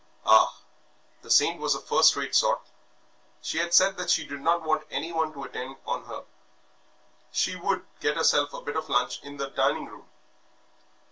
Ah! the Saint was a first rate sort. She had said that she did not want anyone to attend on her. She would, get herself a bit of lunch in the dining room.